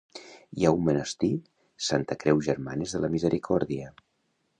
Hi ha un monestir Santa Creu Germanes de la Misericòrdia.